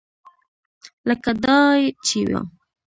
لکه دای چې و.